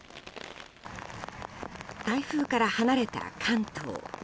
台風から離れた関東。